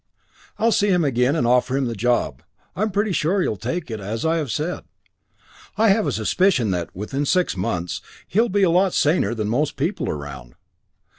"I'll see him again, and offer him the job. I'm pretty sure he'll take it, as I said. I have a suspicion that, within six months, he'll be a lot saner than most people around.